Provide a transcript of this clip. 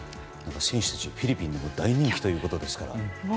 選手たち、フィリピンで大人気ということですから。